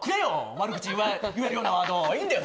悪口言えるようなワードいいんだよ